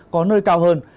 có nơi cao hơn